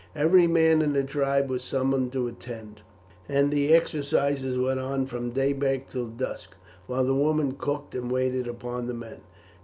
Every man in the tribe was summoned to attend, and the exercises went on from daybreak till dusk, while the women cooked and waited upon the men.